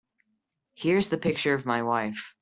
Here's the picture of my wife.